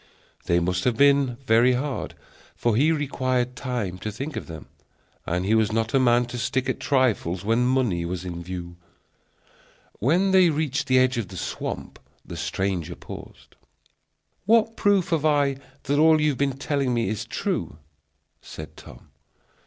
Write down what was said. They must have been very hard, for he required time to think of them, and he was not a man to stick at trifles when money was in view. When they had reached the edge of the swamp, the stranger paused. "What proof have I that all you have been telling me is true?" said Tom.